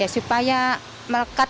ya supaya melekat